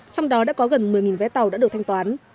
trong đó đã có gần một mươi vé tàu đã được thanh toán